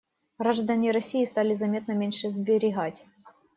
Граждане России стали заметно меньше сберегать.